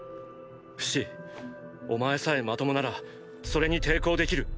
フシお前さえまともならそれに抵抗できる。